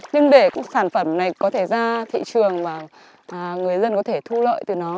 nhưng để sản phẩm này có thể ra thị trường và người dân có thể thu lợi từ nó